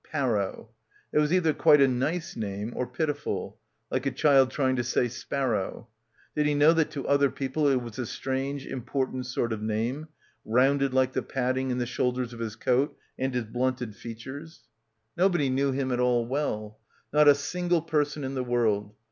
Parrow. It was either quite a nice name or piti ful ; like a child trying to say sparrow. Did he know that to other people it was a strange, impor tant sort of name, rounded like the padding in the shoulders of his coat and his blunted features? — 234 — BACKWATER Nobody knew him at all well. Not a single person in the world.